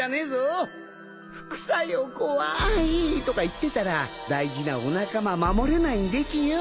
「副作用怖い」とか言ってたら大事なお仲間守れないんでちゅよ